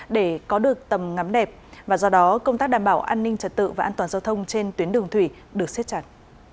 để có được tầm ngắm đẹp và do đó công tác đảm bảo an ninh trật tự và an toàn giao thông trên tuyến đường thủy được xếp chặt